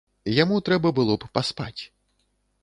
Яму трэба было б паспаць.